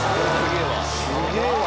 ・すげぇわ。